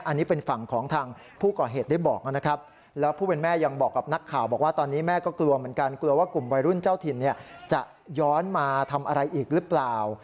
อันนี้เป็นฝั่งของทางผู้ก่อเหตุได้บอกนะครับแล้วผู้เป็นแม่ยังบอกกับนักข่าวบอกว่าตอนนี้แม่ก็กลัวเหมือนกันกลัวว่ากลุ่มวัยรุ่นเจ้าถิ่นเนี่ยจะย้อนมาทำอะไรอีกหรือเปล่า